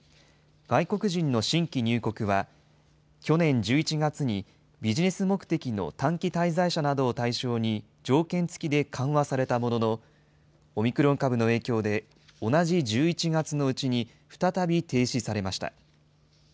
外国人の新規入国は、去年１１月にビジネス目的の短期滞在者などを対象に条件付きで緩和されたものの、オミクロン株の影響で同じ１１月のうちに、再び停止されました。